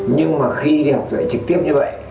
nhưng mà khi đi học trực tiếp như vậy